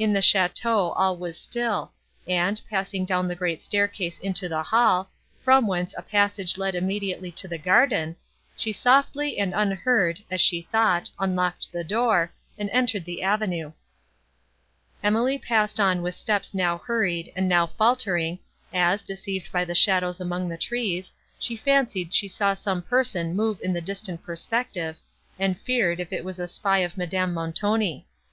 In the château all was still; and, passing down the great staircase into the hall, from whence a passage led immediately to the garden, she softly and unheard, as she thought, unlocked the door, and entered the avenue. Emily passed on with steps now hurried, and now faltering, as, deceived by the shadows among the trees, she fancied she saw some person move in the distant perspective, and feared, that it was a spy of Madame Montoni.